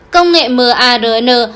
công nghệ mrna và vaccine